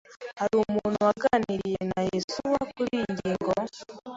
Hari umuntu waganiriye na Yesuwa kuriyi ngingo?